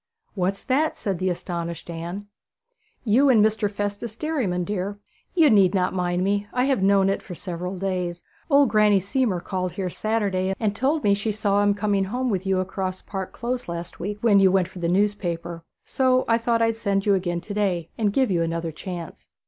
'What's that?' said the astonished Anne. 'You and Mr. Festus Derriman, dear. You need not mind me; I have known it for several days. Old Granny Seamore called here Saturday, and told me she saw him coming home with you across Park Close last week, when you went for the newspaper; so I thought I'd send you again to day, and give you another chance.'